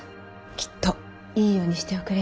きっといい世にしておくれよ。